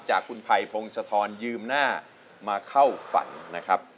จากขุนไพพรงสธรณ์ยืมหน้ามาเข้าฝันนะครับ